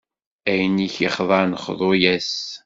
Ayen i k-ixḍan, xḍu-as.